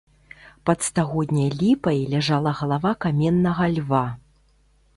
Пад стагодняй ліпай ляжала галава каменнага льва.